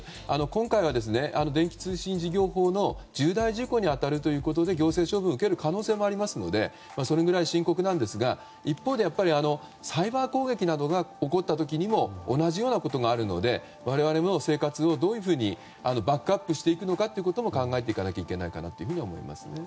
今回は、電気通信事業法の重大事項に当たるということで行政処分を受ける可能性もありますのでそれくらい深刻なんですが一方で、サイバー攻撃などが起こった時にも同じようなことがあるので我々も生活をどういうふうにバックアップしていくかを考えていかなきゃいけないかなと思いますね。